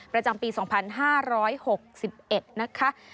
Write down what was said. ประจำปี๒๕๖๑นะคะ